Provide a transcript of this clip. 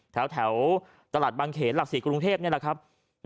แถวตลาดบางเขนหลัก๔กรุงเทพนี่แหละครับ